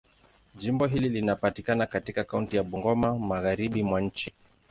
Jimbo hili linapatikana katika kaunti ya Bungoma, Magharibi mwa nchi.